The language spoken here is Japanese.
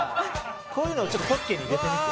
こういうのをちょっとポッケに入れてみて。